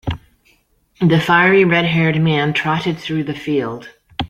The fiery red-haired man trotted through the field.